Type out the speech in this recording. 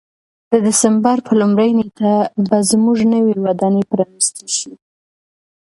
د دسمبر په لومړۍ نېټه به زموږ نوې ودانۍ پرانیستل شي.